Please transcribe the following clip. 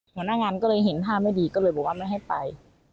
หัวหน้างานก็เลยเห็นท่าไม่ดีก็เลยบอกว่าไม่ให้ไป